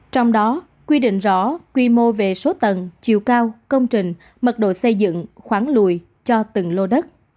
trong đó quy định rõ quy mô về số tầng chiều cao công trình mật độ xây dựng khoáng lùi cho từng lô đất